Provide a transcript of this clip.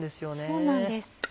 そうなんです。